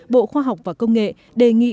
bộ khoa học và công nghệ đề nghị